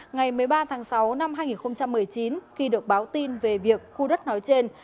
ngày một mươi ba tháng sáu năm hai nghìn một mươi chín khi được báo tin về việc khu đất nói trên